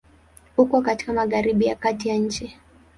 Uko katika Magharibi ya Kati ya nchi.